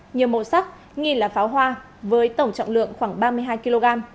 nhiều màu sắc nghi là pháo hoa với tổng trọng lượng khoảng ba mươi hai kg